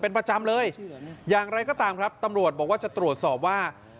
เป็นประจำเลยอย่างไรก็ตามครับตำรวจบอกว่าจะตรวจสอบว่า